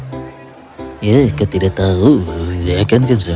siapa yang akan mempekerjakan aku sebagai pelayan